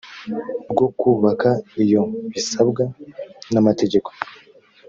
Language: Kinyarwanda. rwo kubaka iyo bisabwa n amategeko